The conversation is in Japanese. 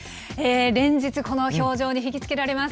連日、この氷上に引き付けられます。